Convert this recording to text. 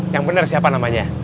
yang bener siapa namanya